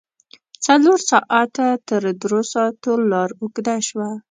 څلور ساعته تر دروساتو لار اوږده شوه.